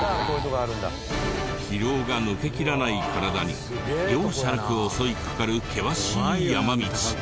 疲労が抜けきらない体に容赦なく襲いかかる険しい山道。